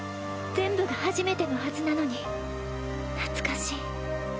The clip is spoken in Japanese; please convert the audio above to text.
全部が初めてのはずなのに懐かしい。